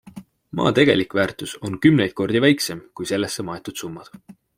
Maa tegelik väärtus on kümneid kordi väiksem kui sellesse maetud summad.